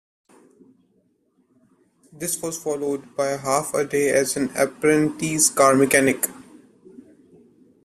This was followed by half a day as an apprentice car mechanic.